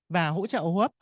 và hỗ trợ hỗ hấp